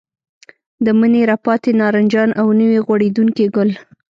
د مني راپاتې نارنجان او نوي غوړېدونکي ګل.